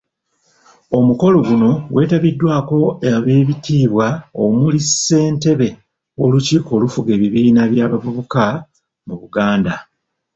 Omukolo guno, gwegatiddwako abeebitiibwa omuli ssentebe w'olukiiko olufuga ebibiina by'abavubuka mu Buganda.